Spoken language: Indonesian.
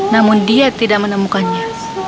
namun dia tidak menemukannya